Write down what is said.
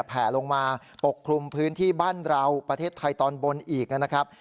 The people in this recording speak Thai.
แผลลงมาปกคลุมพื้นที่บ้านเราประเทศไทยตอนบนอีกนะครับ